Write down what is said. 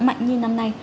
mạnh như năm nay